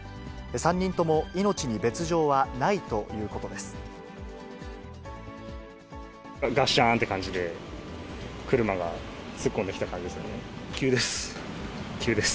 ３人とも命に別状はないということです。